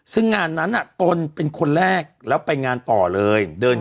ซึ่งงานนั้นตนเป็นคนแรกแล้วไปงานต่อเลย